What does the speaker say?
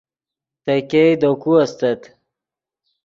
تے ګئے دے کو استت